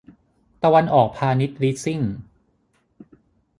ตะวันออกพาณิชย์ลีสซิ่ง